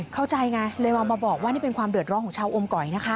เข้าใจไงเลยเอามาบอกว่านี่เป็นความเดือดร้อนของชาวอมก๋อยนะคะ